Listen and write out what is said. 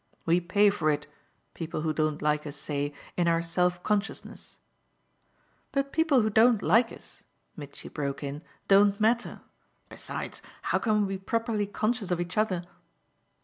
We pay for it, people who don't like us say, in our self consciousness " "But people who don't like us," Mitchy broke in, "don't matter. Besides, how can we be properly conscious of each other